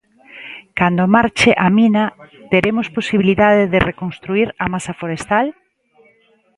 Cando marche a mina, teremos posibilidade de reconstruír a masa forestal?